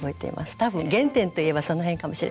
多分原点といえばその辺かもしれませんね。